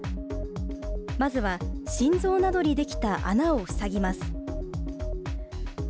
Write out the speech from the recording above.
まずは、心臓などに出来た穴を塞ぎます。